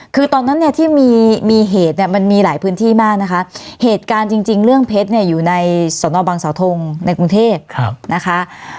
คือตอนนั้นเนี่ยที่มีเหตุเนี่ยมันมีหลายพื้นที่มากนะคะเหตุการณ์จริงเรื่องเพชรเนี่ยอยู่ในสนบังสาวทงในกรุงเทพนะคะ